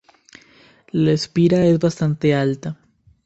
La espira es bastante alta.